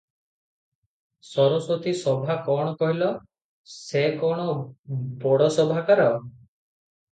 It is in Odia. ସରସ୍ୱତୀ - ଶୋଭା କଣ କହିଲ, ସେ କଣ ବଡ଼ ଶୋଭାକାର ।